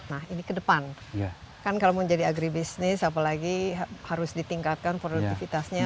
nah ini ke depan kan kalau mau jadi agribisnis apalagi harus ditingkatkan produktivitasnya